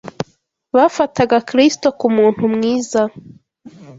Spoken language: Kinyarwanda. Bafataga Kristo k’umuntu mwiza,